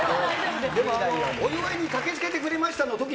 お祝いに駆けつけてくれました